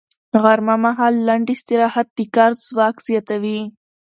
غرمه مهال لنډ استراحت د کار ځواک زیاتوي